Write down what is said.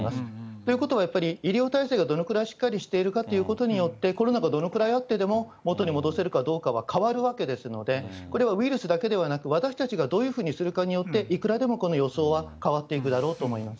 ということはやっぱり、医療体制がどのくらいしっかりしているかということによって、コロナがどのくらいあってでも元に戻せるかどうかは変わるわけですので、これはウイルスだけではなく私たちがどういうふうにするかによって、いくらでもこの予想は変わっていくだろうと思います。